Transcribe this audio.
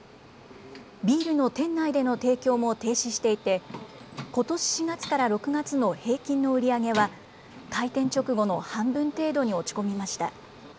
ビールの店内での提供も停止していてことし４月から６月の平均の売り上げは開店直後の半分程度に落ち込みました。